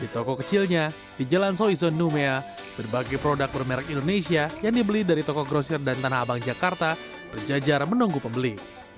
di toko kecilnya di jalan soizon numea berbagai produk bermerek indonesia yang dibeli dari toko grosir dan tanah abang jakarta berjajar menunggu pembeli